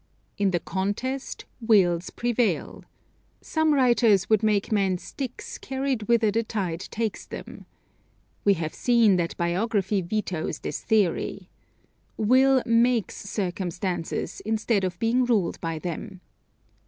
In the contest, wills prevail. Some writers would make men sticks carried whither the tide takes them. We have seen that biography vetoes this theory. Will makes circumstances instead of being ruled by them.